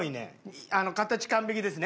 形完璧ですね。